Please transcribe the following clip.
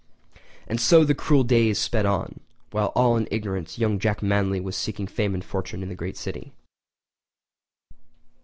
And so the cruel days sped on, while all in ignorance young Jack Manly was seeking fame and fortune in the great city.